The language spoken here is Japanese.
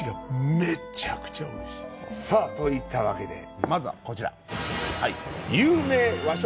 さぁといったわけでまずはこちら。